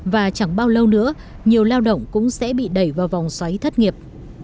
và chẳng bao lâu nữa nhiều lao động cũng sẽ bị đẩy vào vòng xoáy thất nghiệp